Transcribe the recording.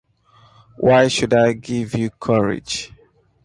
Why should I give you courage?